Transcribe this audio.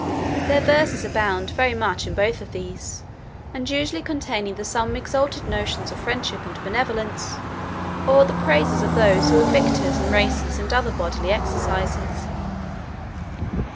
Their verses abound very much in both of these, and usually contain either some exalted notions of friendship and benevolence or the praises of those who were victors in races and other bodily exercises.